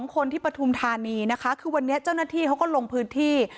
คนที่ปฐุมธานีนะคะคือวันนี้เจ้าหน้าที่เขาก็ลงพื้นที่